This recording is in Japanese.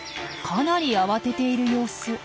かなり慌てている様子。